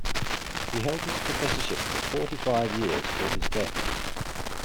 He held his professorship for forty-five years till his death.